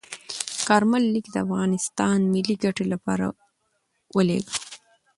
کارمل لیک د افغانستان ملي ګټې لپاره ولیږه.